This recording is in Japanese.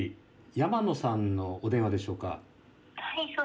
山野さんのお電話でしょうか？